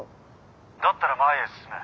だったら前へ進め。